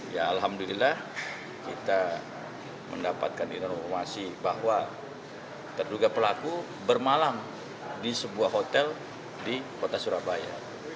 ya alhamdulillah kita mendapatkan informasi bahwa terduga pelaku bermalam di sebuah hotel di kota surabaya